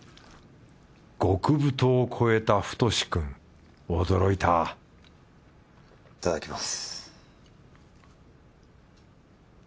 極太を超えたフトシくん驚いたいただきます。